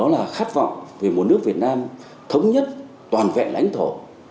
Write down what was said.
và khát vọng về một nước việt nam thống nhất toàn vẹn lãnh thổ